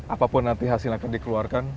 apapun nanti hasil akan dikeluarkan